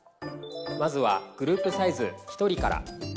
まずはグループサイズ１人から。